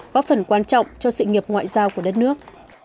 góp phần quan trọng cho sự nghiệp ngoại giao của đất nước